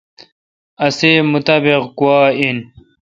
اسی مطابق گوا این۔